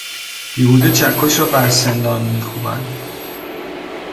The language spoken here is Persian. بیهوده چکش را بر سندان میکوبند.